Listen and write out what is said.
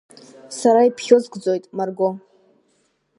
Сара ибхьызгӡоит, Марго.